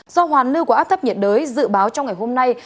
do hoàn lưu của áp thấp nhiệt đới dự báo trong ngày hôm nay